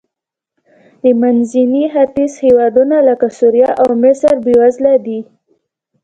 د منځني ختیځ هېوادونه لکه سوریه او مصر بېوزله دي.